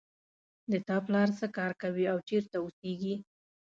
د تا پلار څه کار کوي او چېرته اوسیږي